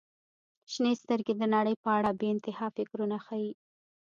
• شنې سترګې د نړۍ په اړه بې انتها فکرونه ښیي.